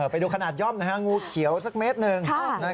ไปดูขนาดย่อมงูเขียวสักเมตรหนึ่ง